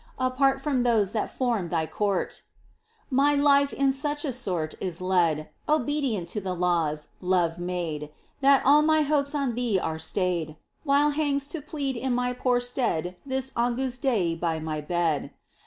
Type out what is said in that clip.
Apart from those that form Thy court ! POEMS. 23 My life in such a sort is led, Obedient to the laws Love made, That all my hopes on Thee are stayed, While hangs to plead in my poor stead This Agnus Dei by my bed.